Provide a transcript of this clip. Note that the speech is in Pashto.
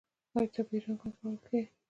آیا طبیعي رنګونه کارول کیږي؟